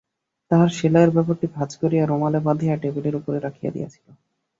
তাহার সেলাইয়ের ব্যাপারটি ভাঁজ করিয়া রুমালে বাঁধিয়া টেবিলের উপরে রাখিয়া দিয়াছিল।